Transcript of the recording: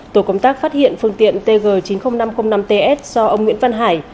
tổ công tác phát hiện phương tiện tg chín mươi nghìn năm trăm linh năm ts do ông nguyễn văn hải